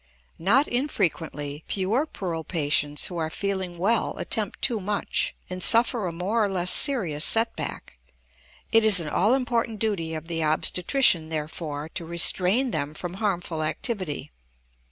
Not infrequently puerperal patients who are feeling well attempt too much, and suffer a more or less serious set back; it is an all important duty of the obstetrician, therefore, to restrain them from harmful activity.